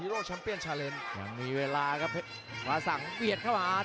มงคลพยายามจะทิ้งด้วยข่าวซ้ายและเสียบด้วยข่าวซ้าย